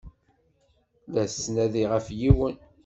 La ttnadiɣ ɣef yiwen.